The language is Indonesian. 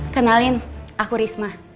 kenalin aku risma